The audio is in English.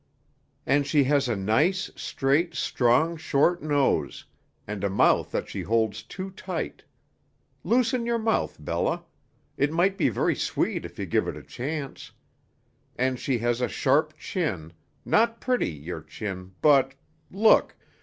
"And she has a nice, straight, strong, short nose, and a mouth that she holds too tight. Loosen your mouth, Bella; it might be very sweet if you gave it a chance. And she has a sharp chin not pretty, your chin, but look!